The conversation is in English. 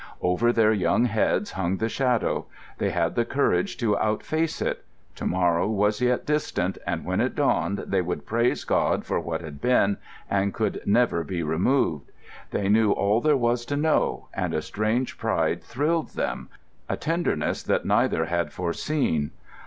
Over their young heads hung the shadow; they had the courage to outface it; to morrow was yet distant, and when it dawned they would praise God for what had been, and could never be removed.... They knew all there was to know; and a strange pride thrilled them, a tenderness that neither had foreseen.